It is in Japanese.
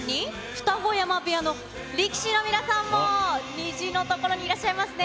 二子山部屋の力士の皆さんも、虹のところにいらっしゃいますね。